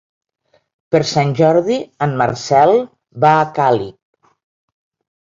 Per Sant Jordi en Marcel va a Càlig.